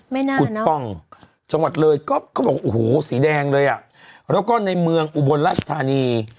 แม่น้ำกุฎป่องจังหวัดเลยก็เขาบอกโอ้โหสีแดงเลยอ่ะแล้วก็ในเมืองอุบลราชธานี